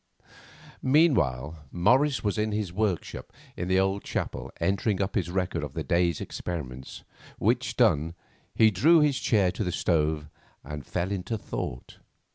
Meanwhile, Morris was in his workshop in the old chapel entering up his record of the day's experiments, which done, he drew his chair to the stove and fell into thought.